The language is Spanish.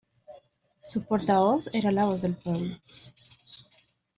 Su portavoz era "La Voz del Pueblo".